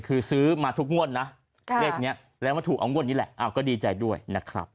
คือซื้อมาทุกงวดนะเลขนี้แล้วมาถูกเอางวดนี้แหละก็ดีใจด้วยนะครับ